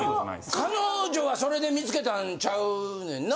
彼女はそれで見つけたんちゃうねんな？